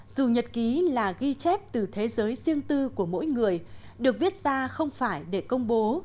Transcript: dù nhật ký là ghi chép từ thế giới riêng tư của mỗi người được viết ra không phải để công bố